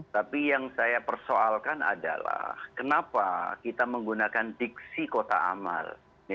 tapi yang saya persoalkan adalah kenapa kita menggunakan diksi kota amal